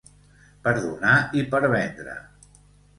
Per donar i per vendre.